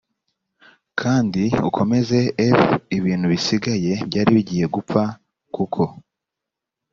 kandi ukomeze f ibintu bisigaye byari bigiye gupfa kuko